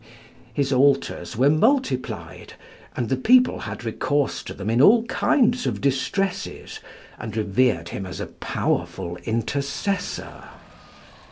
His altars were multiplied, and the people had recourse to them in all kinds of distresses, and revered him as a powerful intercessor.